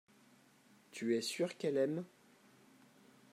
tu es sûr qu'elle aime.